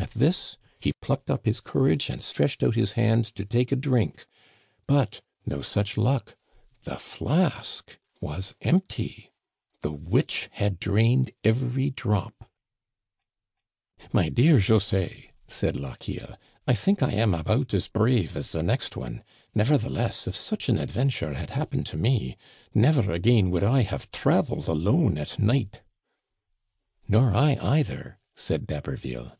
At this he plucked up his courage and stretched out his hand to take a drink. But no such luck ! The flask was empty ! The witch had drained every drop. Digitized by Google LA CORRIVEAU, 55 " My dear José," said Lochiel, " I think I am about as brave as the next one. Nevertheless, if such an ad venture had happened to me, never again would I have traveled alone at night." " Nor I either," said D'Haberville.